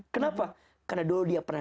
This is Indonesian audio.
kenapa karena dulu dia pernah